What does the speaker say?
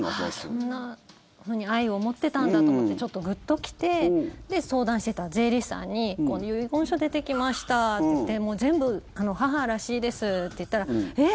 ああ、そんなふうに愛を持っていたんだっと思ってちょっとグッと来て相談していた税理士さんに遺言書出てきましたって言ってもう全部、母らしいですって言ったらえっ！